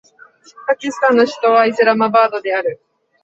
パキスタンの首都はイスラマバードである